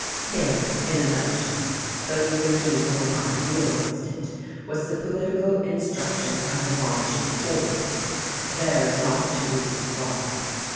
Here, in a nutshell, though neither he nor I realized it, was the political instruction of the marching hordes. Theirs not to reason why.